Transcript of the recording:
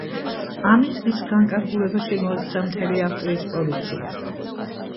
ამით მის განკარგულებაში მოექცა მთელი ავსტრიის პოლიცია.